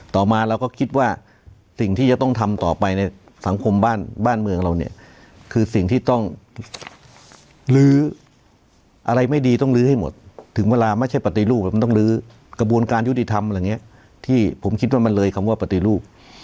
ต่อมาเราก็คิดว่าสิ่งที่จะต้องทำต่อไปในสังคมบ้านเมืองเราเนี่ยคือสิ่งที่ต้องลื้ออะไรไม่ดีต้องลื้อให้หมดถึงเวลาไม่ใช่ปฏิรูปมันต้องลื้อกระบวนการยุติธรรมอะไรอย่างนี้ที่ผมคิดว่ามันเลยคำว่าปฏิรูป